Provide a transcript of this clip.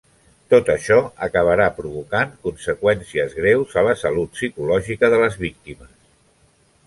Tot això acabarà provocant conseqüències greus a la salut psicològica de les víctimes.